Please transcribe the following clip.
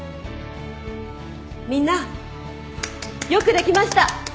みんなよくできました。